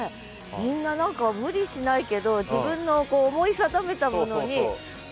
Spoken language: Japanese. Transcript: みんな何か無理しないけど自分の思い定めたものにまっすぐね。